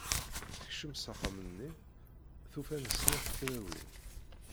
Tekcem s axxam-nni, tufa-n snat tlawin.